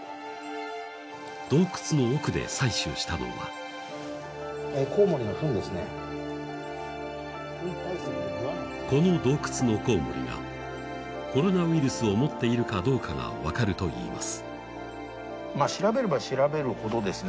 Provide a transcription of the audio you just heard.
洞窟の奥で採取したのはこの洞窟のこうもりがコロナウイルスを持っているかどうかが分かるといいます。